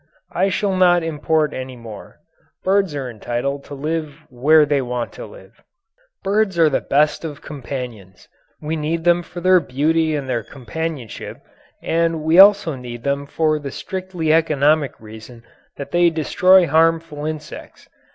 I shall not import any more. Birds are entitled to live where they want to live. Birds are the best of companions. We need them for their beauty and their companionship, and also we need them for the strictly economic reason that they destroy harmful insects.